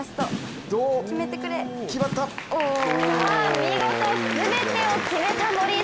見事、全てを決めた森。